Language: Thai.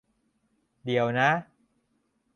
เดี๋ยวนะ !